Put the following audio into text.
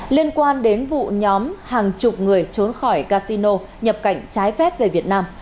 liên quan đến vụ nhóm hàng chục người trốn khỏi casino nhập cảnh trái phép về việt nam